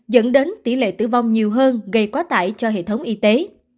dẫn đến tỷ lệ tử vong nhiều hơn gây quá tải cho hệ thống y tế